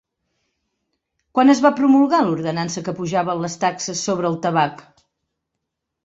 Quan es va promulgar l'ordenança que apujava les taxes sobre el tabac?